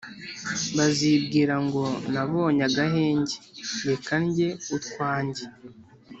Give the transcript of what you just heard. bazibwira ngo «Nabonye agahenge, reka ndye utwanjye»,